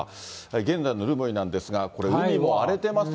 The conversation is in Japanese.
現在の留萌なんですが、これ、海も荒れてますね。